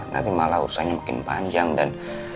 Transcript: nanti malah urusannya makin panjang dan